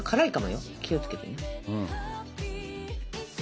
気を付けてね。